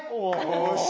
よし。